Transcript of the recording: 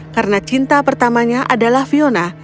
karena cinta pertamanya adalah fiona